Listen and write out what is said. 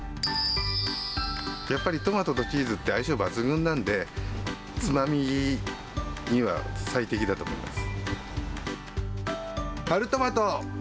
やっぱりトマトとチーズって相性抜群なんで、つまみには最適だと思います。